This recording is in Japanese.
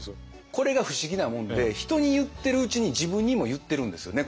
これが不思議なもんで人に言ってるうちに自分にも言ってるんですよね